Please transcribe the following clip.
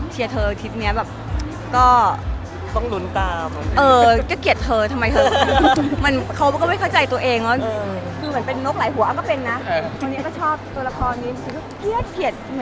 ที่สิ้นการเนี่ยก็ไม่ได้คาดว่าต้องยิ่งใหญ่กว่าเดิม